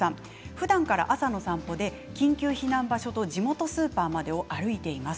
ふだんから朝の散歩で緊急避難場所と地元スーパーまでを歩いています。